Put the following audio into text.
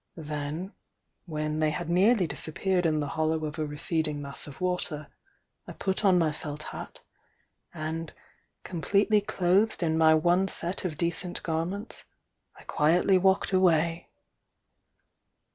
Then, when they had nearly disappeared in the hollow of a receding mass of water, I put on my felt hat, and, completely clothed in my one set of decent gar ments, I quietly walked away."